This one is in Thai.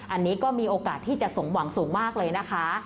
อันนี้ก็มีโอกาสที่จะสมหวังสูงมากเลยนะคะ